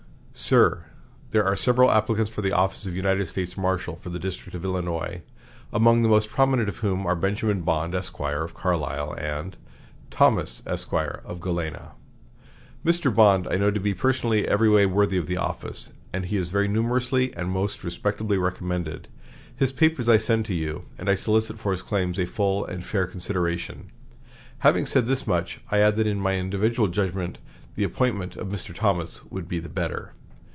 "SIR: There are several applicants for the office of United States Marshal for the District of Illinois, among the most prominent of whom are Benjamin Bond, Esq., of Carlyle, and Thomas, Esq., of Galena. Mr. Bond I know to be personally every way worthy of the office; and he is very numerously and most respectably recommended. His papers I send to you; and I solicit for his claims a full and fair consideration. Having said this much, I add that in my individual judgment the appointment of Mr. Thomas would be the better.